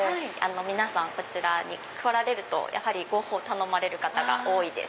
皆さんこちらに来られるとゴッホを頼まれる方が多いです。